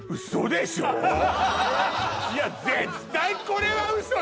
いや絶対これはウソよ